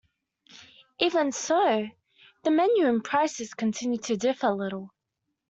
Even so, the menu and prices continue to differ little.